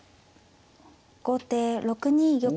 後手６二玉。